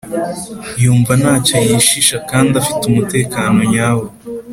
yumva ntacyo yishisha kandi afite umutekano nyawo